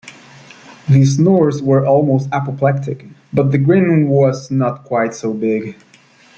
The snores were almost apoplectic; but the grin was not quite so big.